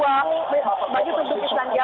bagi pembukti islandia